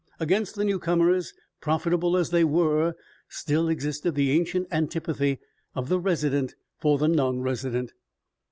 Against the newcomers, profitable as they were, still existed the ancient antipathy of the resident for the nonresident.